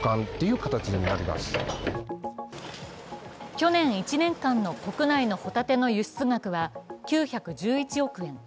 去年１年間の国内のほたての輸出額は９１１億円。